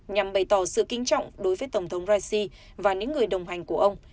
nhằm bày tỏ sự kính trọng đối với tổng thống raisi và những người đồng hành của ông